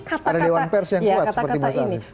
ada lewan pers yang kuat seperti mas arief